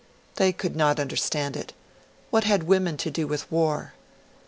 They could not understand it what had women to do with war?